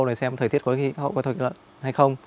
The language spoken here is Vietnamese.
để xem thời tiết có thuộc lận hay không